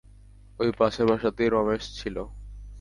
ঐ পাশের বাসাতেই রমেশ ছিল।